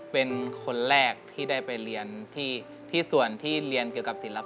เป็นคนแรกที่ได้ไปเรียนที่ส่วนที่เรียนเกี่ยวกับศิลป